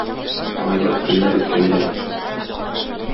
Айлар, көннәр үткәндә